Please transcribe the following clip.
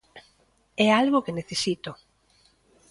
É algo que necesito.